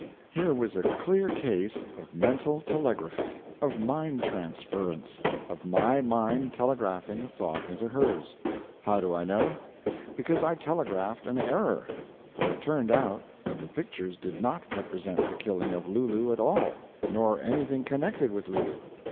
Here was a clear case of mental telegraphy; of mind transference; of my mind telegraphing a thought into hers. How do I know? Because I telegraphed an error. For it turned out that the pictures did not represent the killing of Lulu at all, nor anything connected with Lulu.